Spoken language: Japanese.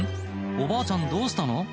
おばあちゃんどうしたの？